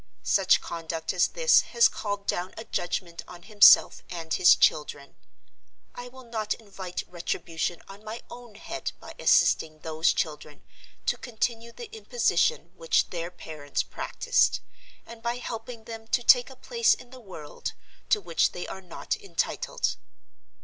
Such conduct as this has called down a Judgment on himself and his children. I will not invite retribution on my own head by assisting those children to continue the imposition which their parents practiced, and by helping them to take a place in the world to which they are not entitled.